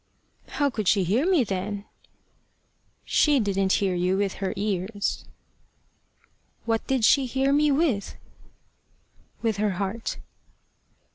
"How could she hear me then?" "She didn't hear you with her ears." "What did she hear me with?" "With her heart."